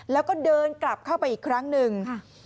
แล้วก็เดินกลับเข้าไปอีกครั้งหนึ่ง